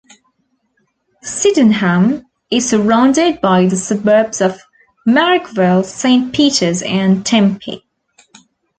Sydenham is surrounded by the suburbs of Marrickville, Saint Peters and Tempe.